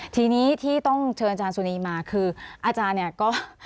ทีนี้ที่ต้องเชิญอาจารย์สุนีมาคืออาจารย์เนี่ยก็